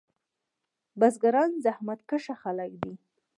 بزګران زحمت کشه خلک دي.